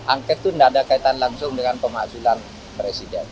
angket itu tidak ada kaitan langsung dengan pemakzulan presiden